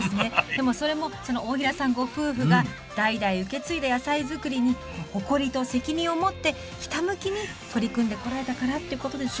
でもそれも大平さんご夫婦が代々受け継いだ野菜作りに誇りと責任を持ってひたむきに取り組んでこられたからってことですよね。